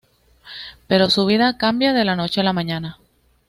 Pero su vida cambia de la noche a la mañana.